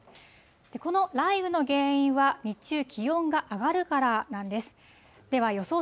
この雷雨の原因は、日中、気温が上がるからなんです。